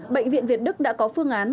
bệnh viện việt đức đã có phương án